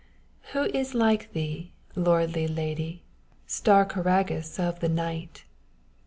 "Who is like thee, lordly lady, Star choragus of the night!